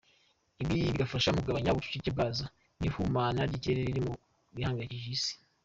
Ibi bigafasha mu kugabanya ubucucike bwazo n’ihumana ry’ikirere riri mu bihangayikishije Isi.